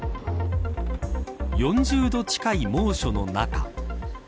４０度近い猛暑の中。